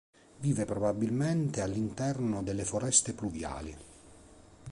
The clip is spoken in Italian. Vive probabilmente all'interno delle foreste pluviali.